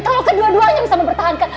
kalau kedua duanya bisa mempertahankan